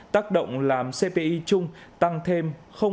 tác động làm cpi chung tăng thêm năm mươi năm